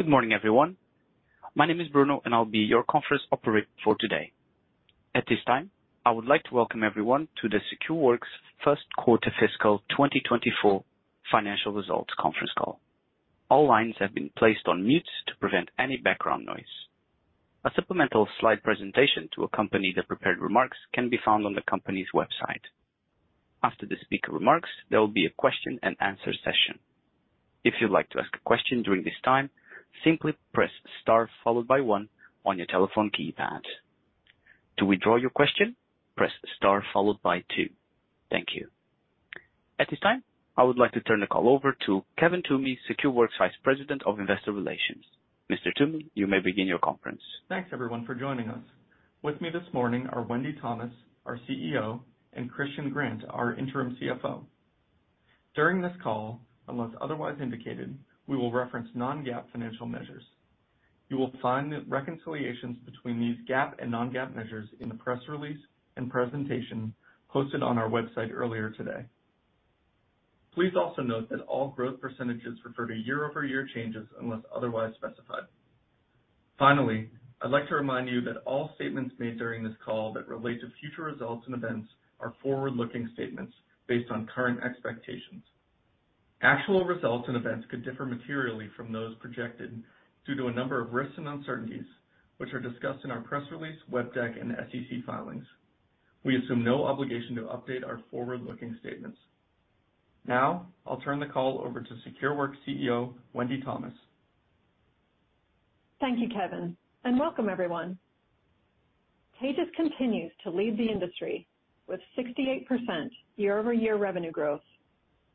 Good morning, everyone. My name is Bruno. I'll be your conference operator for today. At this time, I would like to welcome everyone to the Secureworks first quarter fiscal 2024 financial results conference call. All lines have been placed on mute to prevent any background noise. A supplemental slide presentation to accompany the prepared remarks can be found on the company's website. After the speaker remarks, there will be a question and answer session. If you'd like to ask a question during this time, simply press star followed by one on your telephone keypad. To withdraw your question, press star followed by two. Thank you. At this time, I would like to turn the call over to Kevin Toomey, Secureworks Vice President of Investor Relations. Mr. Toomey, you may begin your conference. Thanks, everyone, for joining us. With me this morning are Wendy Thomas, our CEO, and Christian Grant, our interim CFO. During this call, unless otherwise indicated, we will reference non-GAAP financial measures. You will find the reconciliations between these GAAP and non-GAAP measures in the press release and presentation posted on our website earlier today. Please also note that all growth percentages refer to year-over-year changes unless otherwise specified. Finally, I'd like to remind you that all statements made during this call that relate to future results and events are forward-looking statements based on current expectations. Actual results and events could differ materially from those projected due to a number of risks and uncertainties which are discussed in our press release, web deck, and SEC filings. We assume no obligation to update our forward-looking statements. Now I'll turn the call over to Secureworks CEO, Wendy Thomas. Thank you, Kevin, and welcome everyone. Taegis continues to lead the industry with 68% year-over-year revenue growth,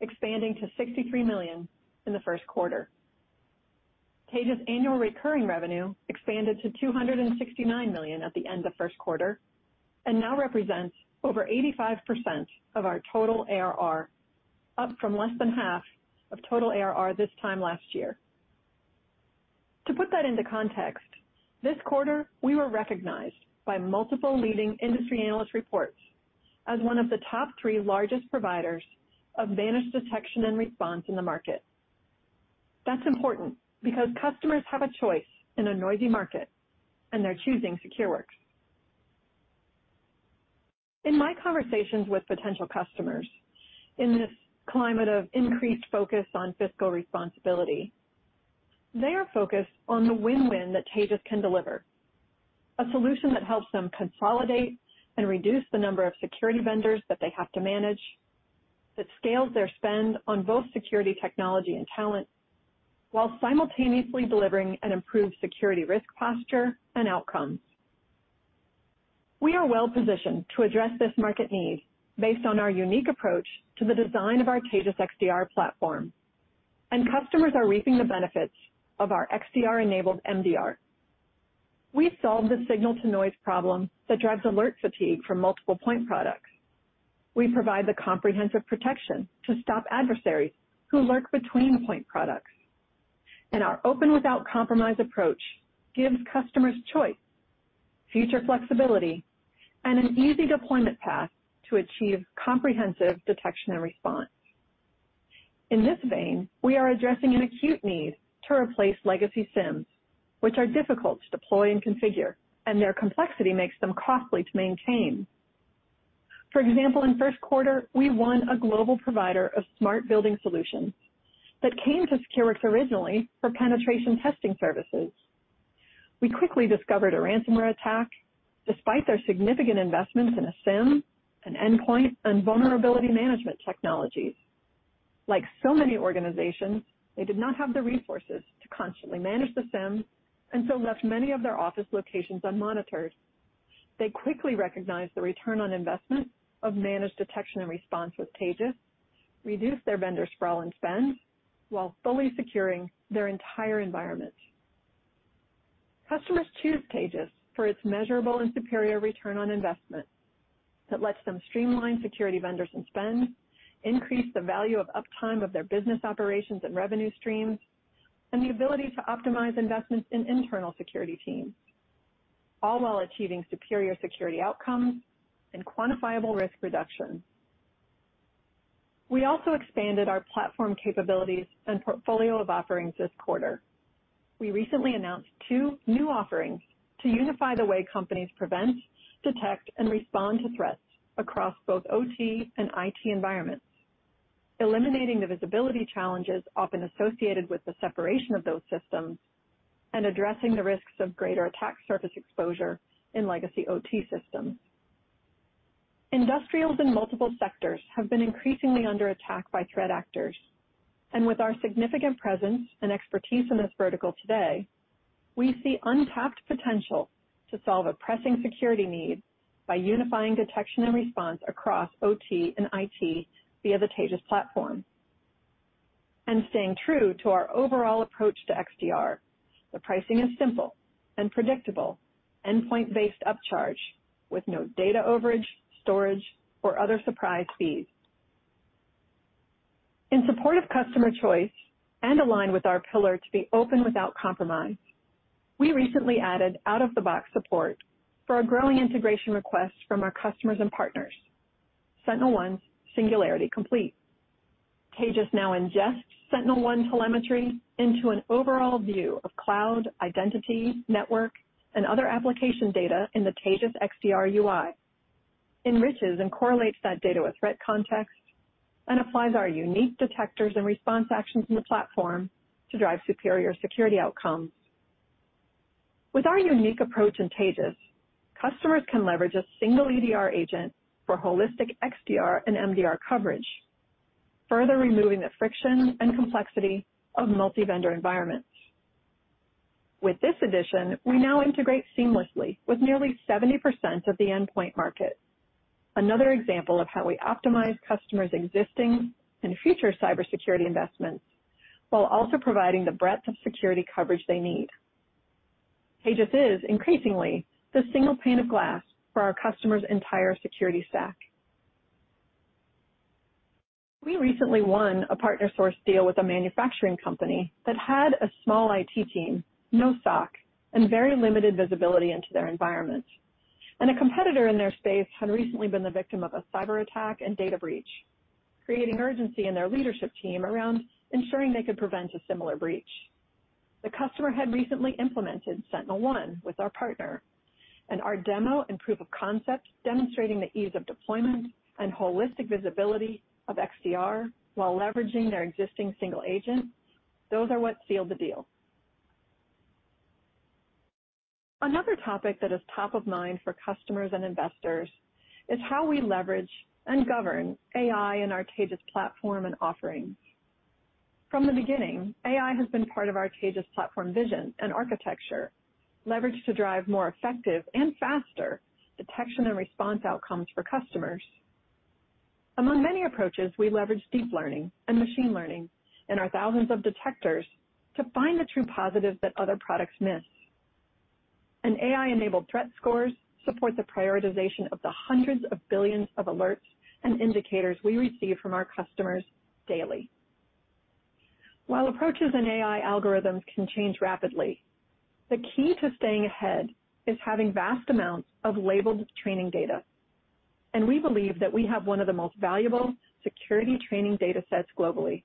expanding to $63 million in the first quarter. Taegis annual recurring revenue expanded to $269 million at the end of first quarter and now represents over 85% of our total ARR, up from less than half of total ARR this time last year. To put that into context, this quarter we were recognized by multiple leading industry analyst reports as one of the top three largest providers of managed detection and response in the market. That's important because customers have a choice in a noisy market and they're choosing Secureworks. In my conversations with potential customers in this climate of increased focus on fiscal responsibility, they are focused on the win-win that Taegis can deliver. A solution that helps them consolidate and reduce the number of security vendors that they have to manage, that scales their spend on both security, technology and talent, while simultaneously delivering an improved security risk posture and outcomes. We are well positioned to address this market need based on our unique approach to the design of our Taegis XDR platform. Customers are reaping the benefits of our XDR-enabled MDR. We solve the signal-to-noise problem that drives alert fatigue from multiple point products. We provide the comprehensive protection to stop adversaries who lurk between point products. Our open without compromise approach gives customers choice, future flexibility, and an easy deployment path to achieve comprehensive detection and response. In this vein, we are addressing an acute need to replace legacy SIEMs, which are difficult to deploy and configure. Their complexity makes them costly to maintain. For example, in 1st quarter, we won a global provider of smart building solutions that came to Secureworks originally for penetration testing services. We quickly discovered a ransomware attack despite their significant investments in a SIEM, an endpoint and vulnerability management technologies. Like so many organizations, they did not have the resources to constantly manage the SIEM and so left many of their office locations unmonitored. They quickly recognized the return on investment of managed detection and response with Taegis, reduced their vendor sprawl and spend while fully securing their entire environment. Customers choose Taegis for its measurable and superior return on investment that lets them streamline security vendors and spend, increase the value of uptime of their business operations and revenue streams, and the ability to optimize investments in internal security teams, all while achieving superior security outcomes and quantifiable risk reduction. We also expanded our platform capabilities and portfolio of offerings this quarter. We recently announced two new offerings to unify the way companies prevent, detect, and respond to threats across both OT and IT environments, eliminating the visibility challenges often associated with the separation of those systems and addressing the risks of greater attack surface exposure in legacy OT systems. Industrials in multiple sectors have been increasingly under attack by threat actors. With our significant presence and expertise in this vertical today, we see untapped potential to solve a pressing security need by unifying detection and response across OT and IT via the Taegis platform. Staying true to our overall approach to XDR, the pricing is simple and predictable. Endpoint-based upcharge with no data overage, storage, or other surprise fees. In support of customer choice and aligned with our pillar to be open without compromise, we recently added out-of-the-box support for our growing integration requests from our customers and partners. SentinelOne Singularity Complete. Taegis now ingests SentinelOne telemetry into an overall view of cloud, identity, network, and other application data in the Taegis XDR UI, enriches and correlates that data with threat context, and applies our unique detectors and response actions in the platform to drive superior security outcomes. With our unique approach in Taegis, customers can leverage a single EDR agent for holistic XDR and MDR coverage, further removing the friction and complexity of multi-vendor environments. With this addition, we now integrate seamlessly with nearly 70% of the endpoint market. Another example of how we optimize customers' existing and future cybersecurity investments, while also providing the breadth of security coverage they need. Taegis is increasingly the single pane of glass for our customers' entire security stack. We recently won a partner-sourced deal with a manufacturing company that had a small IT team, no SOC, and very limited visibility into their environment. A competitor in their space had recently been the victim of a cyber attack and data breach, creating urgency in their leadership team around ensuring they could prevent a similar breach. The customer had recently implemented SentinelOne with our partner, and our demo and proof of concept, demonstrating the ease of deployment and holistic visibility of XDR while leveraging their existing single agent, those are what sealed the deal. Another topic that is top of mind for customers and investors is how we leverage and govern AI in our Taegis platform and offerings. From the beginning, AI has been part of our Taegis platform vision and architecture, leveraged to drive more effective and faster detection and response outcomes for customers. Among many approaches, we leverage deep learning and machine learning in our thousands of detectors to find the true positives that other products miss. AI-enabled threat scores support the prioritization of the hundreds of billions of alerts and indicators we receive from our customers daily. While approaches in AI algorithms can change rapidly, the key to staying ahead is having vast amounts of labeled training data, and we believe that we have one of the most valuable security training data sets globally.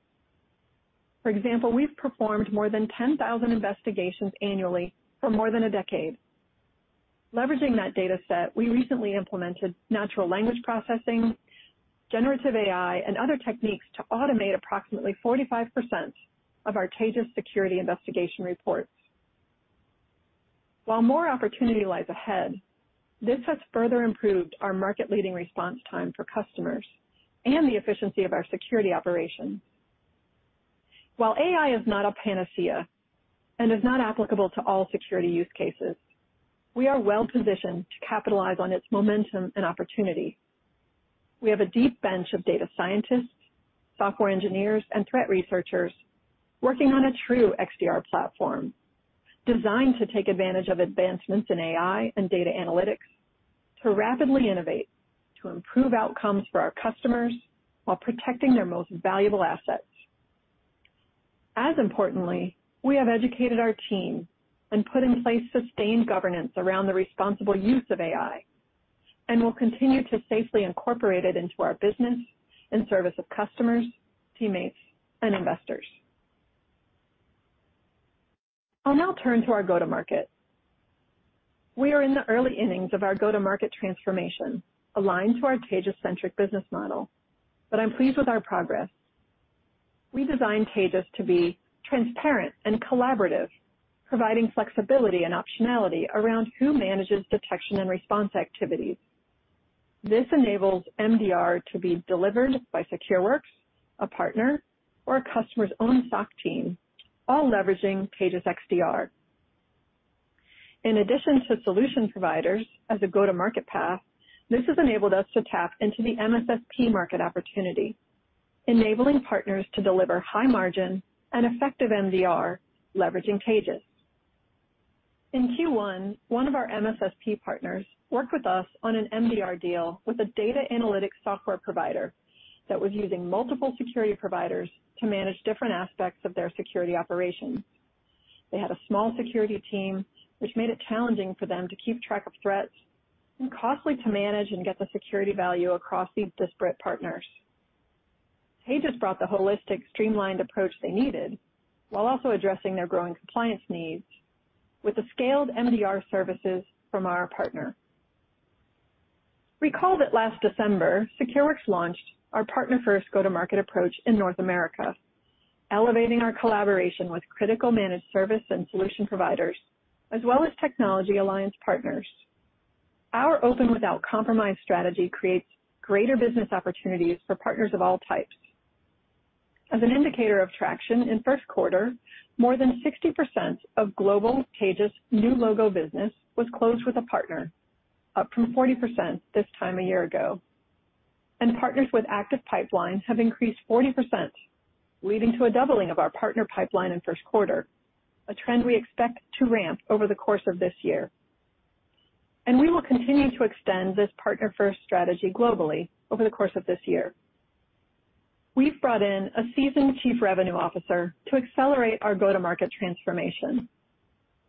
For example, we've performed more than 10,000 investigations annually for more than a decade. Leveraging that data set, we recently implemented natural language processing, generative AI, and other techniques to automate approximately 45% of our Taegis security investigation reports. While more opportunity lies ahead, this has further improved our market-leading response time for customers and the efficiency of our security operations. While AI is not a panacea and is not applicable to all security use cases, we are well-positioned to capitalize on its momentum and opportunity. We have a deep bench of data scientists, software engineers, and threat researchers working on a true XDR platform, designed to take advantage of advancements in AI and data analytics to rapidly innovate, to improve outcomes for our customers while protecting their most valuable assets. As importantly, we have educated our team and put in place sustained governance around the responsible use of AI, and will continue to safely incorporate it into our business in service of customers, teammates, and investors. I'll now turn to our go-to-market. We are in the early innings of our go-to-market transformation, aligned to our Taegis-centric business model, but I'm pleased with our progress. We designed Taegis to be transparent and collaborative, providing flexibility and optionality around who manages detection and response activities. This enables MDR to be delivered by Secureworks, a partner, or a customer's own SOC team, all leveraging Taegis XDR. In addition to solution providers as a go-to-market path, this has enabled us to tap into the MSSP market opportunity, enabling partners to deliver high margin and effective MDR, leveraging Taegis. In Q1, one of our MSSP partners worked with us on an MDR deal with a data analytics software provider that was using multiple security providers to manage different aspects of their security operations. They had a small security team, which made it challenging for them to keep track of threats and costly to manage and get the security value across these disparate partners. Taegis brought the holistic, streamlined approach they needed, while also addressing their growing compliance needs with the scaled MDR services from our partner. Recall that last December, Secureworks launched our partner-first go-to-market approach in North America, elevating our collaboration with critical managed service and solution providers, as well as technology alliance partners. Our open without compromise strategy creates greater business opportunities for partners of all types. As an indicator of traction, in first quarter, more than 60% of global Taegis new logo business was closed with a partner, up from 40% this time a year ago, partners with active pipelines have increased 40%, leading to a doubling of our partner pipeline in first quarter, a trend we expect to ramp over the course of this year. We will continue to extend this partner-first strategy globally over the course of this year. We've brought in a seasoned Chief Revenue Officer to accelerate our go-to-market transformation.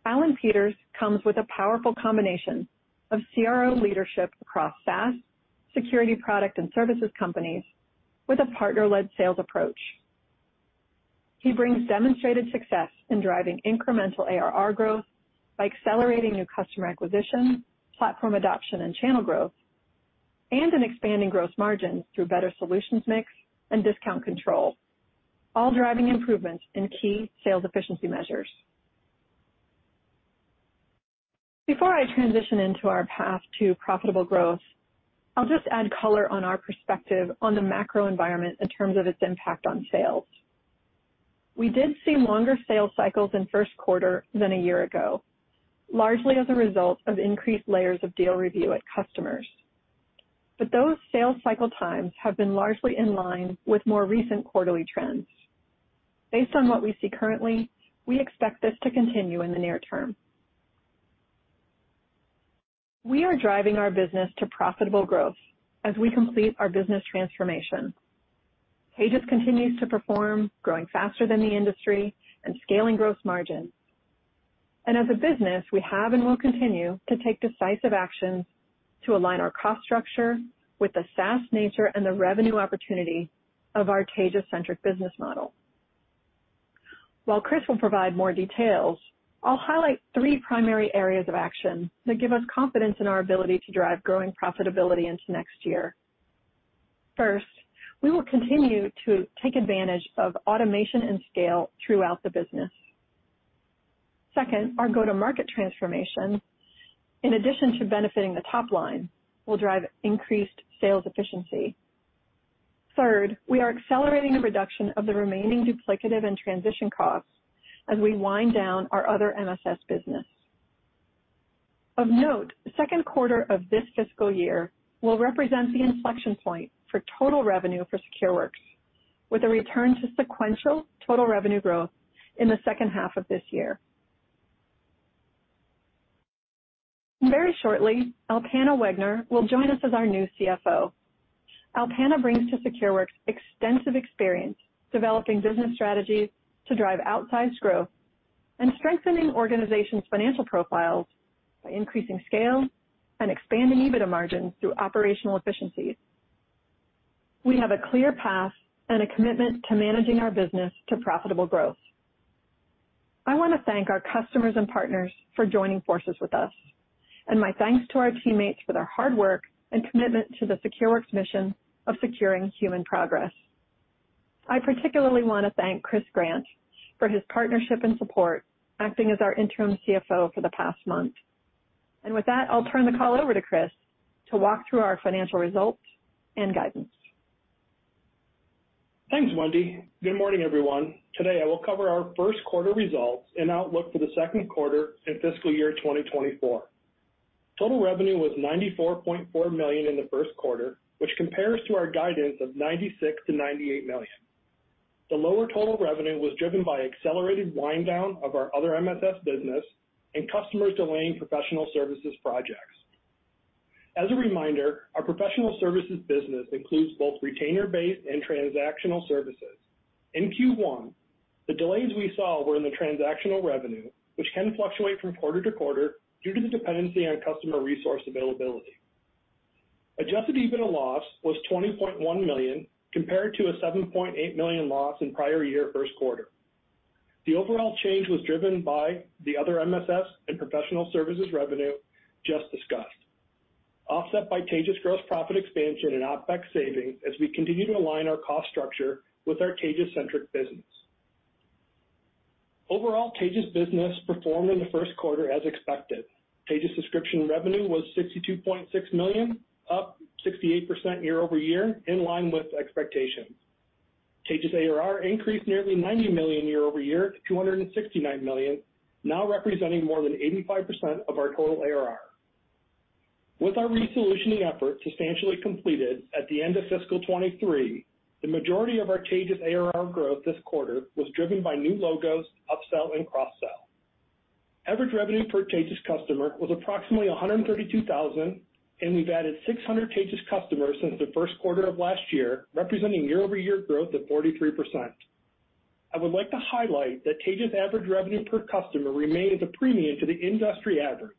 Allan Peters comes with a powerful combination of CRO leadership across SaaS, security product and services companies with a partner-led sales approach. He brings demonstrated success in driving incremental ARR growth by accelerating new customer acquisition, platform adoption, and channel growth, and in expanding gross margins through better solutions mix and discount control, all driving improvements in key sales efficiency measures. Before I transition into our path to profitable growth, I'll just add color on our perspective on the macro environment in terms of its impact on sales. We did see longer sales cycles in first quarter than a year ago, largely as a result of increased layers of deal review at customers. Those sales cycle times have been largely in line with more recent quarterly trends. Based on what we see currently, we expect this to continue in the near term. We are driving our business to profitable growth as we complete our business transformation. Taegis continues to perform, growing faster than the industry and scaling gross margins. As a business, we have and will continue to take decisive actions to align our cost structure with the SaaS nature and the revenue opportunity of our Taegis-centric business model. While Chris will provide more details, I'll highlight 3 primary areas of action that give us confidence in our ability to drive growing profitability into next year. First, we will continue to take advantage of automation and scale throughout the business. Second, our go-to-market transformation, in addition to benefiting the top line, will drive increased sales efficiency. Third, we are accelerating the reduction of the remaining duplicative and transition costs as we wind down our other MSS business. Of note, 2nd quarter of this FY will represent the inflection point for total revenue for Secureworks, with a return to sequential total revenue growth in the 2nd half of this year. Very shortly, Alpana Wegner will join us as our new CFO. Alpana brings to Secureworks extensive experience developing business strategies to drive outsized growth and strengthening organizations' financial profiles by increasing scale and expanding EBITDA margins through operational efficiencies. We have a clear path and a commitment to managing our business to profitable growth. I want to thank our customers and partners for joining forces with us, and my thanks to our teammates for their hard work and commitment to the Secureworks mission of securing human progress. I particularly want to thank Chris Grant for his partnership and support, acting as our interim CFO for the past month. With that, I'll turn the call over to Chris to walk through our financial results and guidance. Thanks, Wendy. Good morning, everyone. Today, I will cover our first quarter results and outlook for the second quarter and fiscal year 2024. Total revenue was $94.4 million in the first quarter, which compares to our guidance of $96 million-$98 million. The lower total revenue was driven by accelerated wind down of our other MSS business and customers delaying professional services projects. As a reminder, our professional services business includes both retainer-based and transactional services. In Q1, the delays we saw were in the transactional revenue, which can fluctuate from quarter to quarter due to the dependency on customer resource availability. Adjusted EBITDA loss was $20.1 million, compared to a $7.8 million loss in prior year first quarter. The overall change was driven by the other MSS and professional services revenue just discussed, offset by Taegis gross profit expansion and OpEx savings as we continue to align our cost structure with our Taegis-centric business. Overall, Taegis business performed in the first quarter as expected. Taegis subscription revenue was $62.6 million, up 68% year-over-year, in line with expectations. Taegis ARR increased nearly $90 million year-over-year to $269 million, now representing more than 85% of our total ARR. With our resolutioning effort substantially completed at the end of fiscal 2023, the majority of our Taegis ARR growth this quarter was driven by new logos, upsell and cross-sell. Average revenue per Taegis customer was approximately $132,000, and we've added 600 Taegis customers since the first quarter of last year, representing year-over-year growth of 43%. I would like to highlight that Taegis average revenue per customer remains a premium to the industry average.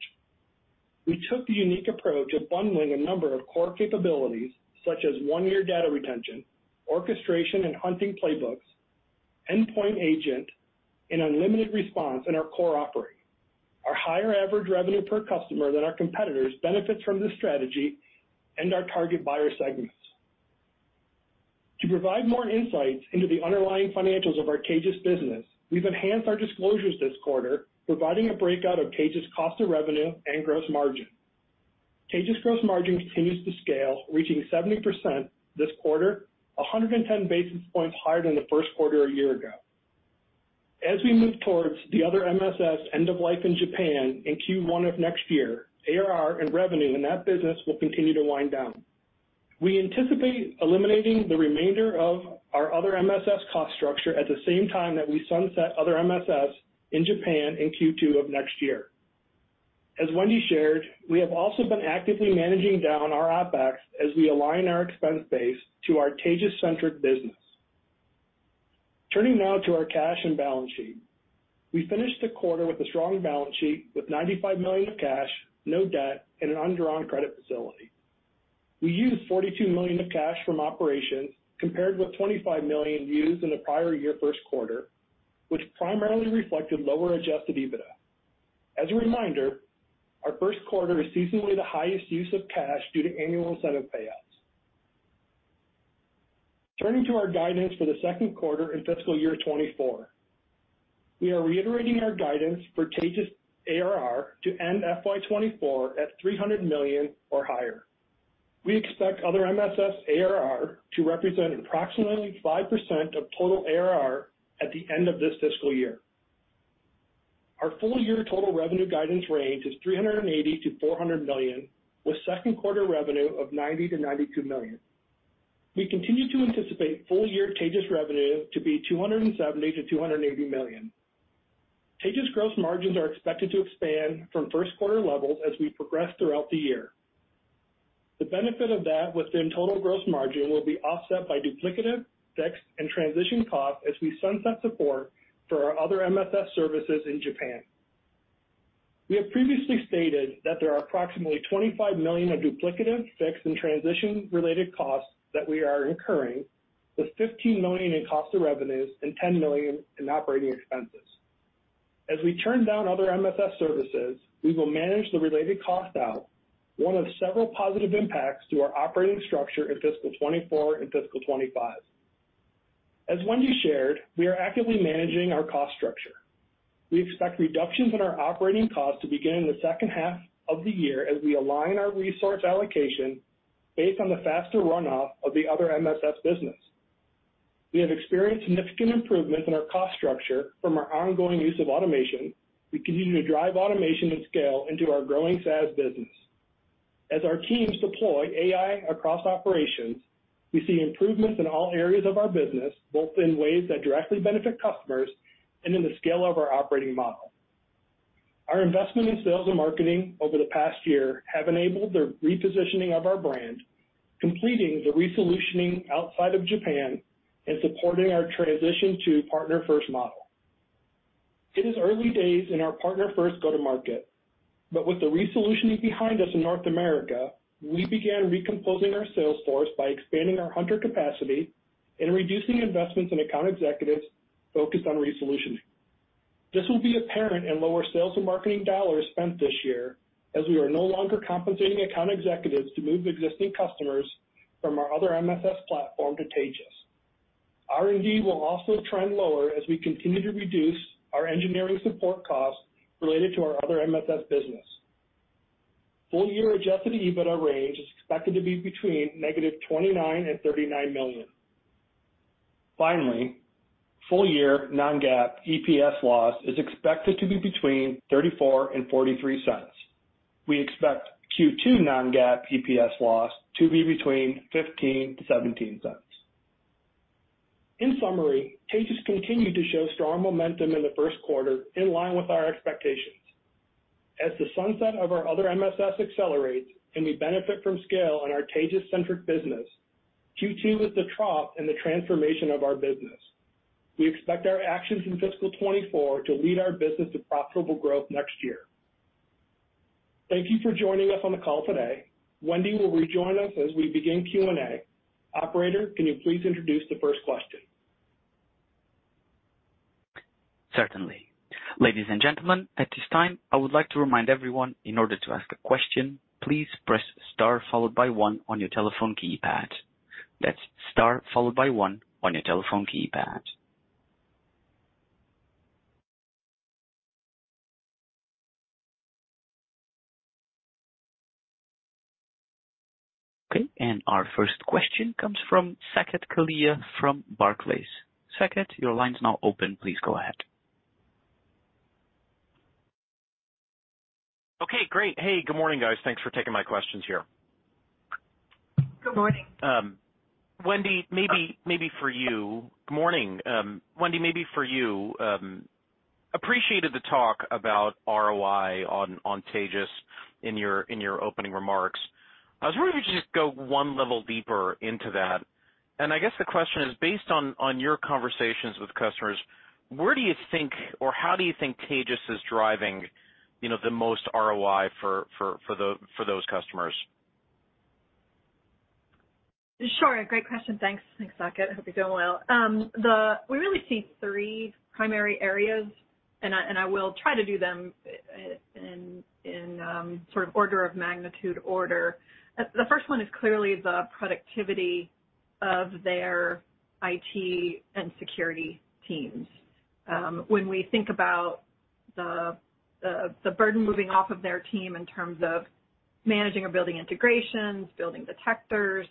We took the unique approach of bundling a number of core capabilities, such as one-year data retention, orchestration and hunting playbooks, endpoint agent, and unlimited response in our core offering. Our higher average revenue per customer than our competitors benefits from this strategy and our target buyer segments. To provide more insights into the underlying financials of our Taegis business, we've enhanced our disclosures this quarter, providing a breakout of Taegis cost of revenue and gross margin. Taegis gross margin continues to scale, reaching 70% this quarter, 110 basis points higher than the 1st quarter a year ago. As we move towards the other MSS end of life in Japan in Q1 of next year, ARR and revenue in that business will continue to wind down. We anticipate eliminating the remainder of our other MSS cost structure at the same time that we sunset other MSS in Japan in Q2 of next year. As Wendy shared, we have also been actively managing down our OpEx as we align our expense base to our Taegis-centric business. Turning now to our cash and balance sheet. We finished the quarter with a strong balance sheet, with $95 million of cash, no debt, and an undrawn credit facility. We used $42 million of cash from operations, compared with $25 million used in the prior year first quarter, which primarily reflected lower adjusted EBITDA. As a reminder, our first quarter is seasonally the highest use of cash due to annual incentive payouts. Turning to our guidance for the second quarter in fiscal year '24. We are reiterating our guidance for Taegis ARR to end FY '24 at $300 million or higher. We expect other MSS ARR to represent approximately 5% of total ARR at the end of this fiscal year. Our full-year total revenue guidance range is $380 million-$400 million, with second quarter revenue of $90 million-$92 million. We continue to anticipate full-year Taegis revenue to be $270 million-$280 million. Taegis gross margins are expected to expand from first quarter levels as we progress throughout the year. The benefit of that within total gross margin will be offset by duplicative, fixed, and transition costs as we sunset support for our other MSS services in Japan. We have previously stated that there are approximately $25 million of duplicative, fixed, and transition-related costs that we are incurring, with $15 million in cost of revenues and $10 million in operating expenses. As we turn down other MSS services, we will manage the related costs out, one of several positive impacts to our operating structure in FY '24 and FY '25. As Wendy shared, we are actively managing our cost structure. We expect reductions in our operating costs to begin in the second half of the year as we align our resource allocation based on the faster runoff of the other MSS business. We have experienced significant improvements in our cost structure from our ongoing use of automation. We continue to drive automation and scale into our growing SaaS business. As our teams deploy AI across operations, we see improvements in all areas of our business, both in ways that directly benefit customers and in the scale of our operating model. Our investment in sales and marketing over the past year have enabled the repositioning of our brand, completing the resolutioning outside of Japan and supporting our transition to partner-first model. It is early days in our partner-first go-to-market, but with the resolutioning behind us in North America, we began recomposing our sales force by expanding our hunter capacity and reducing investments in account executives focused on resolutioning. This will be apparent in lower sales and marketing dollars spent this year, as we are no longer compensating account executives to move existing customers from our other MSS platform to Taegis. R&D will also trend lower as we continue to reduce our engineering support costs related to our other MSS business. Full-year adjusted EBITDA range is expected to be between -$29 million and -$39 million. Finally, full-year non-GAAP EPS loss is expected to be between $0.34 and $0.43. We expect Q2 non-GAAP EPS loss to be between $0.15 to $0.17. In summary, Taegis continued to show strong momentum in the first quarter, in line with our expectations. As the sunset of our other MSS accelerates and we benefit from scale on our Taegis-centric business, Q2 is the trough in the transformation of our business. We expect our actions in fiscal 2024 to lead our business to profitable growth next year. Thank you for joining us on the call today. Wendy will rejoin us as we begin Q&A. Operator, can you please introduce the first question? Certainly. Ladies and gentlemen, at this time, I would like to remind everyone, in order to ask a question, please press star followed by one on your telephone keypad. That's star followed by one on your telephone keypad. Okay, our first question comes from Saket Kalia from Barclays. Saket, your line is now open. Please go ahead. Okay, great. Hey, good morning, guys. Thanks for taking my questions here. Good morning. Good morning. Wendy, maybe for you, appreciated the talk about ROI on Taegis in your opening remarks. I was wondering if you could just go one level deeper into that. I guess the question is, based on your conversations with customers, where do you think or how do you think Taegis is driving, you know, the most ROI for those customers? Sure. Great question. Thanks. Thanks, Saket. I hope you're doing well. We really see three primary areas, and I will try to do them in sort of order of magnitude order. The first one is clearly the productivity of their IT and security teams. When we think about the burden moving off of their team in terms of managing or building integrations, building detectors,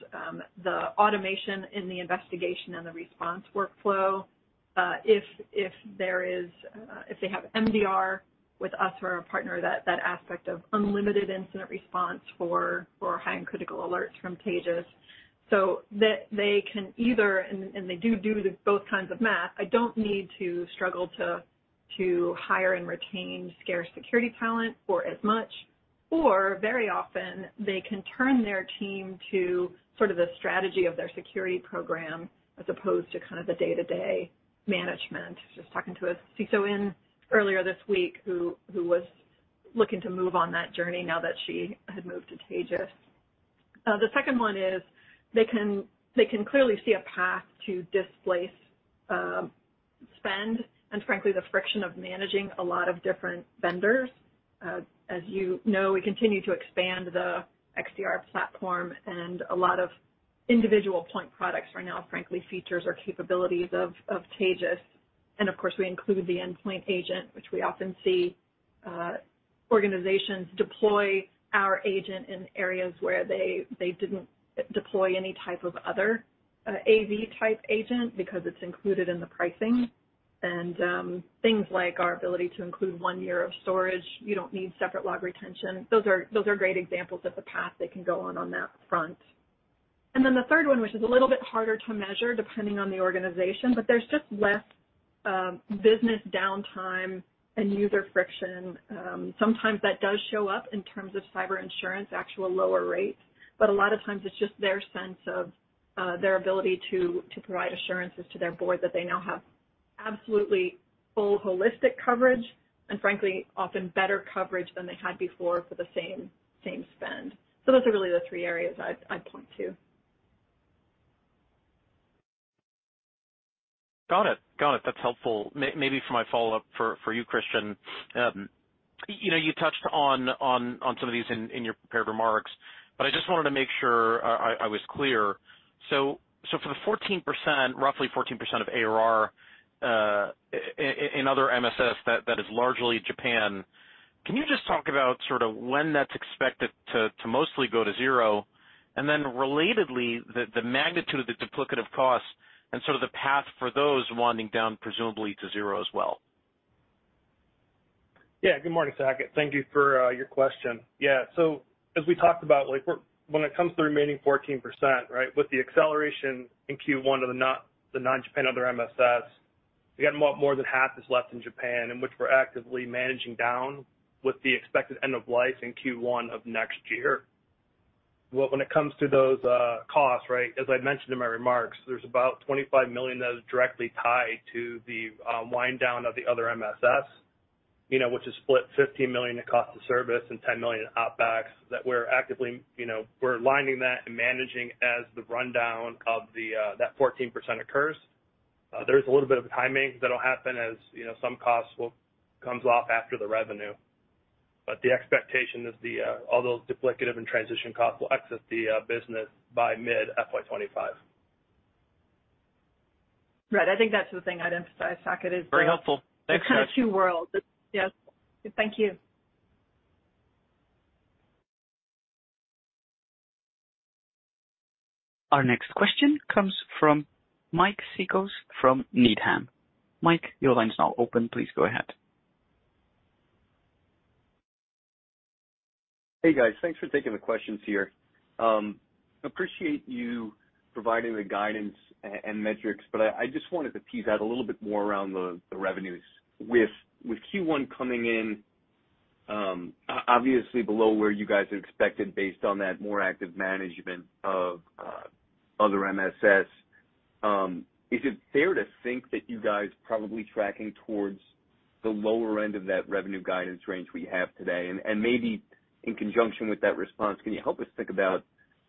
the automation in the investigation and the response workflow, if there is, if they have MDR with us or a partner, that aspect of unlimited incident response for high-end critical alerts from Taegis. That they can either, and they do the both kinds of math. I don't need to struggle to hire and retain scarce security talent for as much, or very often they can turn their team to sort of the strategy of their security program as opposed to kind of the day-to-day management. Just talking to a CISO in earlier this week, who was looking to move on that journey now that she had moved to Taegis. The second one is they can clearly see a path to displace spend, frankly, the friction of managing a lot of different vendors. As you know, we continue to expand the XDR platform, a lot of individual point products are now frankly, features or capabilities of Taegis. Of course, we include the endpoint agent, which we often see organizations deploy our agent in areas where they didn't deploy any type of other AV-type agent because it's included in the pricing. Things like our ability to include 1 year of storage, you don't need separate log retention. Those are great examples of the path they can go on that front. Then the third one, which is a little bit harder to measure, depending on the organization, but there's just less business downtime and user friction. Sometimes that does show up in terms of cyber insurance, actual lower rates, but a lot of times it's just their sense of their ability to provide assurances to their board that they now have absolutely full holistic coverage, and frankly, often better coverage than they had before for the same spend. Those are really the three areas I'd point to. Got it. Got it. That's helpful. maybe for my follow-up for you, Christian, you know, you touched on some of these in your prepared remarks, but I just wanted to make sure I was clear. For the 14%, roughly 14% of ARR, in other MSS, that is largely Japan, can you just talk about sort of when that's expected to mostly go to zero? And then relatedly, the magnitude of the duplicative costs and sort of the path for those winding down presumably to zero as well. Good morning, Saket. Thank you for your question. As we talked about, like, when it comes to the remaining 14%, right? With the acceleration in Q1 of the non-Japan Other MSS, again, more than half is left in Japan, and which we're actively managing down with the expected end of life in Q1 of next year. When it comes to those costs, right, as I mentioned in my remarks, there's about $25 million that is directly tied to the wind down of the Other MSS, you know, which is split $15 million in cost of service and $10 million in OpEx. You know, we're aligning that and managing as the rundown of the 14% occurs. There's a little bit of a timing that'll happen, as, you know, some costs comes off after the revenue. The expectation is the, all those duplicative and transition costs will exit the business by mid-FY '25. Right. I think that's the thing I'd emphasize, Saket. Very helpful. Thanks, guys. The kind of two worlds. Yes. Thank you. Our next question comes from Mike Cikos, from Needham. Mike, your line is now open. Please go ahead. Hey, guys. Thanks for taking the questions here. Appreciate you providing the guidance and metrics, I just wanted to tease out a little bit more around the revenues. With Q1 coming in, obviously below where you guys had expected based on that more active management of Other MSS, is it fair to think that you guys probably tracking towards the lower end of that revenue guidance range we have today? Maybe in conjunction with that response, can you help us think about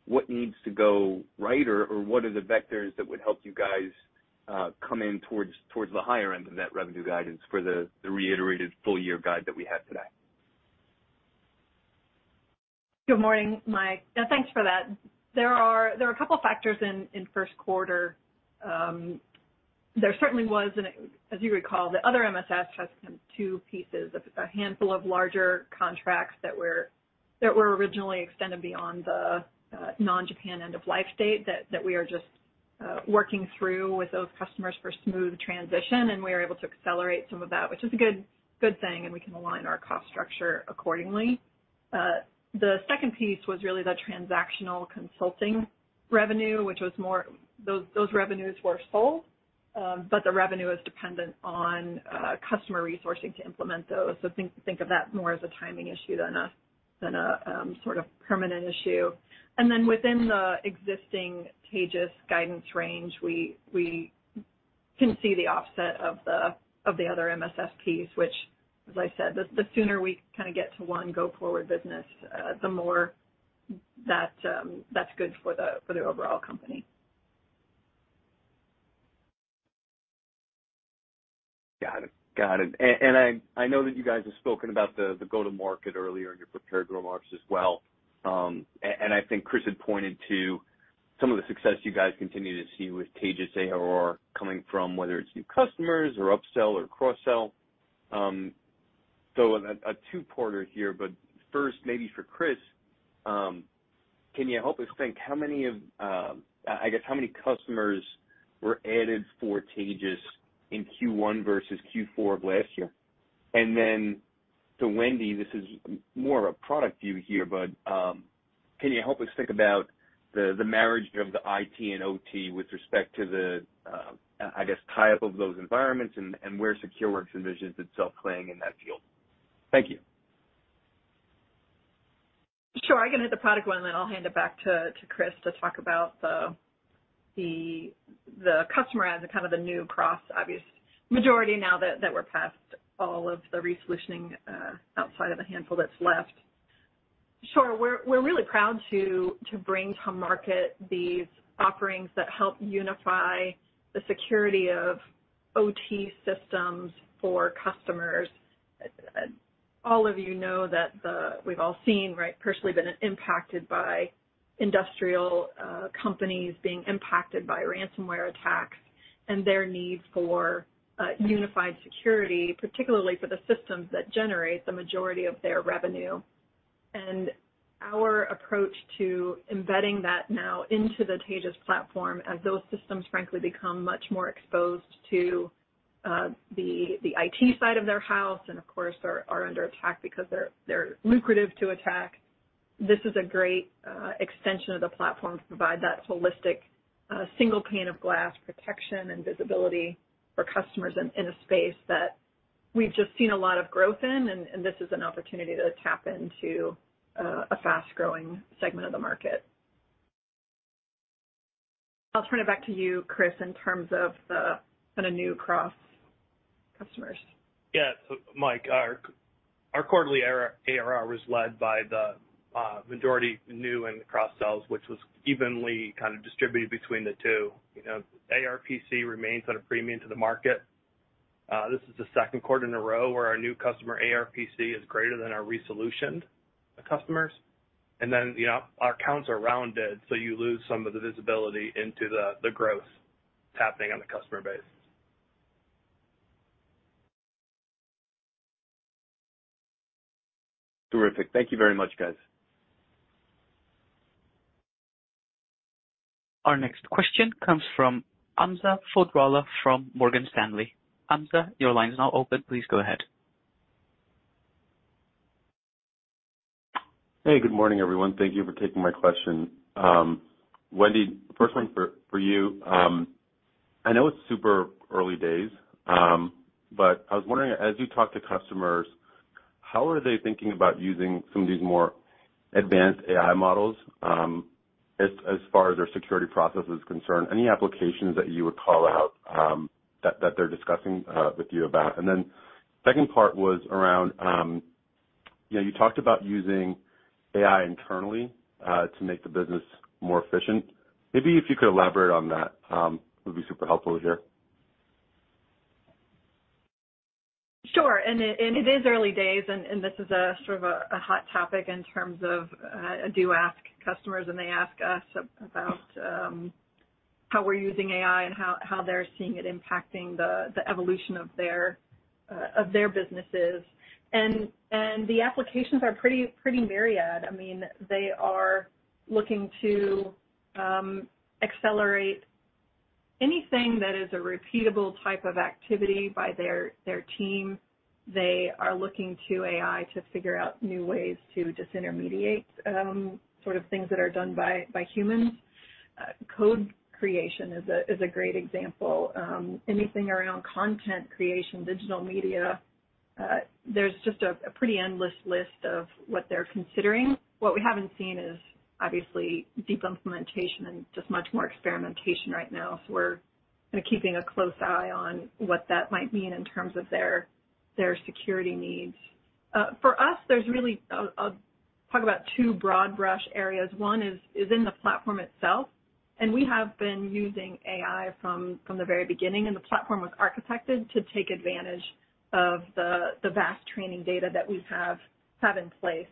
what needs to go right, or what are the vectors that would help you guys come in towards the higher end of that revenue guidance for the reiterated full year guide that we have today? Good morning, Mike, and thanks for that. There are a couple of factors in first quarter. There certainly was, and as you recall, the Other MSS has two pieces, a handful of larger contracts that were originally extended beyond the non-Japan end of life state, that we are just working through with those customers for smooth transition, and we are able to accelerate some of that, which is a good thing, and we can align our cost structure accordingly. The second piece was really the transactional consulting revenue, which was more... Those revenues were sold, but the revenue is dependent on customer resourcing to implement those. Think of that more as a timing issue than a, than a sort of permanent issue. Within the existing Taegis guidance range, we can see the offset of the Other MSS piece, which, as I said, the sooner we kind of get to one go-forward business, the more that's good for the overall company. Got it. Got it. I know that you guys have spoken about the go-to-market earlier in your prepared remarks as well. I think Chris had pointed to some of the success you guys continue to see with Taegis ARR coming from, whether it's new customers or upsell or cross-sell. A two-porter here, but first, maybe for Chris, can you help us think how many of I guess how many customers were added for Taegis in Q1 versus Q4 of last year? Wendy, this is more of a product view here, but can you help us think about the marriage of the IT and OT with respect to the I guess, tie-up of those environments and where Secureworks envisions itself playing in that field? Thank you. Sure. I can hit the product one, and then I'll hand it back to Chris to talk about the customer as a kind of the new cross, obvious majority now that we're past all of the re-solutioning outside of the handful that's left. Sure. We're really proud to bring to market these offerings that help unify the security of OT systems for customers. All of you know that we've all seen, right, personally been impacted by industrial companies being impacted by ransomware attacks and their need for unified security, particularly for the systems that generate the majority of their revenue. Our approach to embedding that now into the Taegis platform, as those systems frankly become much more exposed to the IT side of their house, and of course, are under attack because they're lucrative to attack. This is a great extension of the platform to provide that holistic single pane of glass protection and visibility for customers in a space that we've just seen a lot of growth in. This is an opportunity to tap into a fast-growing segment of the market. I'll turn it back to you, Chris, in terms of the kind of new cross customers. Mike, our quarterly ARR was led by the majority new and cross-sells, which was evenly kind of distributed between the two. ARPC remains at a premium to the market. This is the second quarter in a row where our new customer ARPC is greater than our re-solutioned customers. You know, our counts are rounded, so you lose some of the visibility into the growth that's happening on the customer base. Terrific. Thank you very much, guys. Our next question comes from Hamza Fodderwala from Morgan Stanley. Hamza, your line is now open. Please go ahead. Hey, good morning, everyone. Thank you for taking my question. Wendy, first one for you. I know it's super early days, but I was wondering, as you talk to customers, how are they thinking about using some of these more advanced AI models, as far as their security process is concerned, any applications that you would call out that they're discussing with you about? Second part was around, you know, you talked about using AI internally to make the business more efficient. Maybe if you could elaborate on that, would be super helpful here. Sure. It is early days, and this is a sort of a hot topic in terms of, I do ask customers, and they ask us about how we're using AI and how they're seeing it impacting the evolution of their businesses. The applications are pretty myriad. I mean, they are looking to accelerate anything that is a repeatable type of activity by their team. They are looking to AI to figure out new ways to disintermediate sort of things that are done by humans. Code creation is a great example. Anything around content creation, digital media, there's just a pretty endless list of what they're considering. What we haven't seen is obviously deep implementation and just much more experimentation right now. We're kind of keeping a close eye on what that might mean in terms of their security needs. For us, there's really talk about two broad brush areas. One is in the platform itself, and we have been using AI from the very beginning, and the platform was architected to take advantage of the vast training data that we have in place.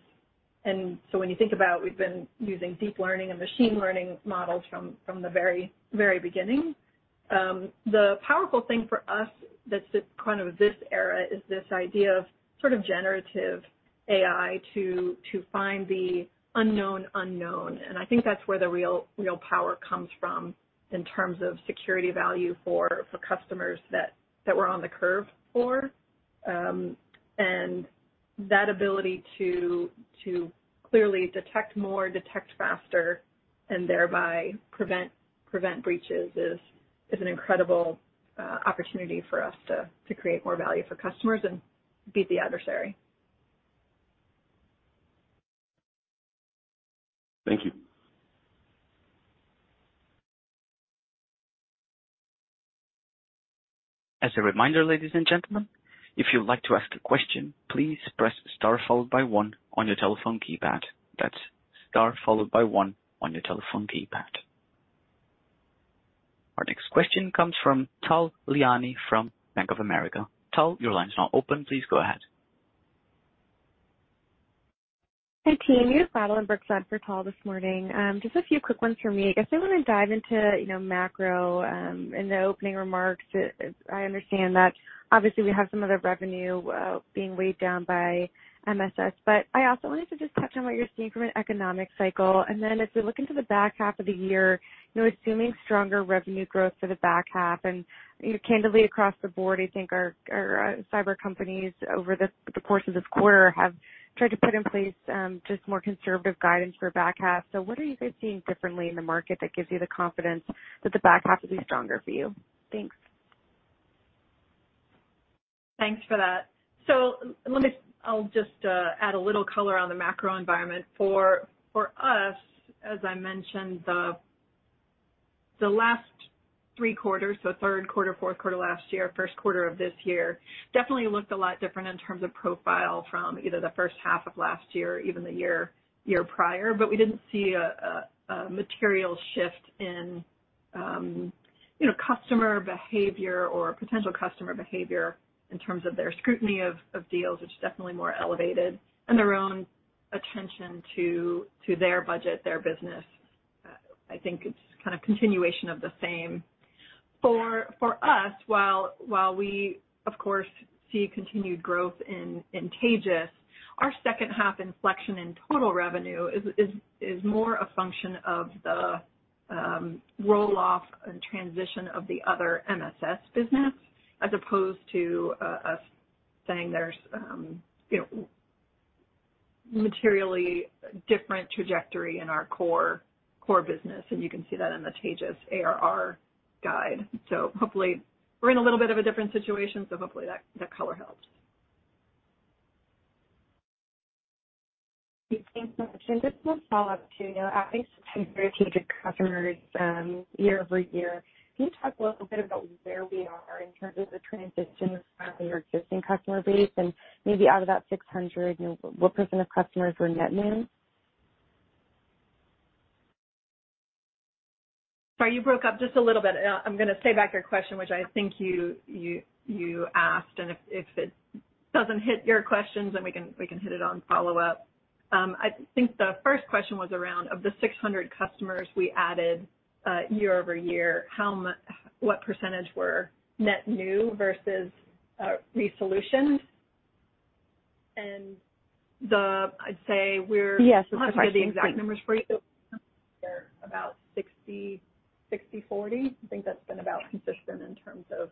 And so when you think about we've been using deep learning and machine learning models from the very beginning, the powerful thing for us that's kind of this era is this idea of sort of generative AI to find the unknown unknown. And I think that's where the real power comes from in terms of security value for customers that we're on the curve for. That ability to clearly detect more, detect faster and thereby prevent breaches is an incredible opportunity for us to create more value for customers and beat the adversary. Thank you. As a reminder, ladies and gentlemen, if you'd like to ask a question, please press star followed by one on your telephone keypad. That's star followed by one on your telephone keypad. Our next question comes from Tal Liani from Bank of America. Tal, your line is now open. Please go ahead. Hey, team, you have Madeline Brooks for Tal this morning. Just a few quick ones for me. I guess I want to dive into, you know, macro in the opening remarks. I understand that obviously, we have some of the revenue being weighed down by MSS, but I also wanted to just touch on what you're seeing from an economic cycle. Then as we look into the back half of the year, you know, assuming stronger revenue growth for the back half, and, you know, candidly across the board, I think our cyber companies over the course of this quarter have tried to put in place just more conservative guidance for back half. What are you guys seeing differently in the market that gives you the confidence that the back half will be stronger for you? Thanks. Thanks for that. I'll just add a little color on the macro environment. For us, as I mentioned, the last 3 quarters, so 3rd quarter, 4th quarter last year, 1st quarter of this year, definitely looked a lot different in terms of profile from either the 1st half of last year or even the year prior. We didn't see a material shift in, you know, customer behavior or potential customer behavior in terms of their scrutiny of deals, which is definitely more elevated, and their own attention to their budget, their business. I think it's kind of continuation of the same. For us, while we of course see continued growth in Taegis, our second half inflection in total revenue is more a function of the roll-off and transition of the other MSS business, as opposed to us saying there's, you know, materially different trajectory in our core business, and you can see that in the Taegis ARR guide. Hopefully, we're in a little bit of a different situation, so hopefully that color helps. Thanks so much. Just to follow up, too, you know, at least strategic customers, year-over-year. Can you talk a little bit about where we are in terms of the transition of your existing customer base and maybe out of that 600, you know, what % of customers were net new? Sorry, you broke up just a little bit. I'm going to say back your question, which I think you asked, and if it doesn't hit your questions, then we can hit it on follow-up. I think the first question was around, of the 600 customers we added, year over year, how what percentage were net new versus, re-solutioned? I'd say we're. Yes, that's the question. I'll give you the exact numbers for you. They're about 60/40. I think that's been about consistent in terms of,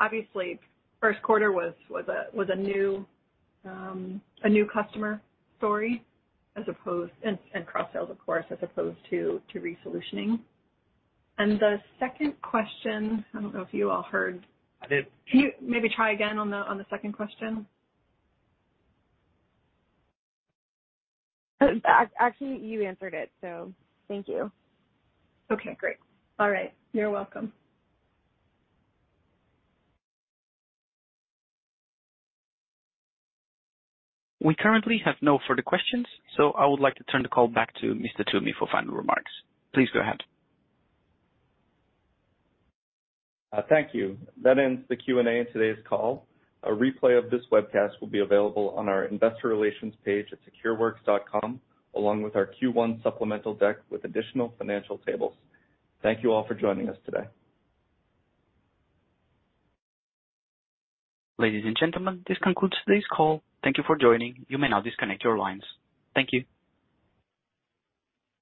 obviously, first quarter was a new customer story as opposed, and cross-sales of course, as opposed to re-solutioning. The second question, I don't know if you all heard. I did. Can you maybe try again on the second question? Actually, you answered it, so thank you. Okay, great. All right. You're welcome. We currently have no further questions, so I would like to turn the call back to Mr. Toomey for final remarks. Please go ahead. Thank you. That ends the Q&A in today's call. A replay of this webcast will be available on our investor relations page at secureworks.com, along with our Q1 supplemental deck with additional financial tables. Thank you all for joining us today. Ladies and gentlemen, this concludes today's call. Thank you for joining. You may now disconnect your lines. Thank you.